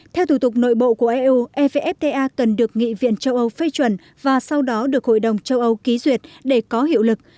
theo thủ tục nội bộ của eu evfta cần được nghị viện châu âu phê chuẩn và sau đó được hội đồng châu âu ký duyệt để có hiệu lực